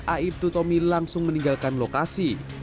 aib tutomi langsung meninggalkan lokasi